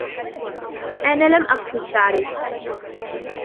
انا لم اغسل شعري.